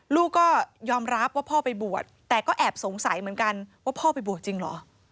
ลูกก็ยอมรับว่าพ่อไปบวชแต่ก็แอบสงสัยเหมือนกันว่าพ่อไปบวชจริงเหรอ